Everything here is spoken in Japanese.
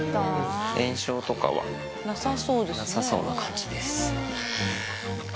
炎症とかはなさそうな感じです。